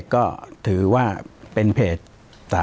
ปากกับภาคภูมิ